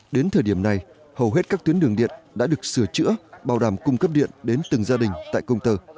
đến thời điểm này hầu hết các tuyến đường điện đã được sửa chữa bảo đảm cung cấp điện đến từng gia đình tại công tơ